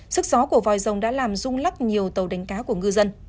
sức gió của vòi rồng đã làm rung lắc nhiều tàu đánh cá của ngư dân